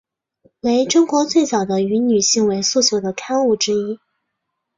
为中国最早的以女性为诉求的刊物之一。